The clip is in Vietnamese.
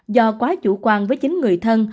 do quá chủ quan với chính người thân